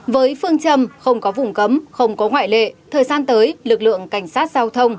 với phương châm không có vùng cấm không có ngoại lệ thời gian tới lực lượng cảnh sát giao thông